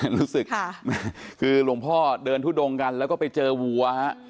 รู้สึกคือหลวงพ่อเดินทุดงกันแล้วก็ไปเจอวัวฮะ